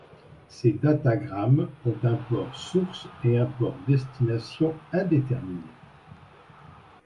Ces datagrammes ont un port source et un port destination indéterminé.